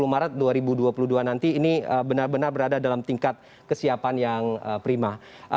dua puluh maret dua ribu dua puluh dua nanti ini benar benar berada dalam tingkat kesiapan yang prima